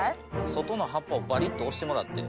外の葉っぱをバリっと押してもらって。